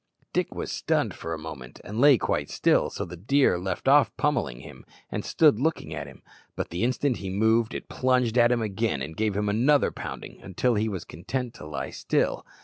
Dick was stunned for a moment, and lay quite still, so the deer left off pommelling him, and stood looking at him. But the instant he moved it plunged at him again and gave him another pounding, until he was content to lie still.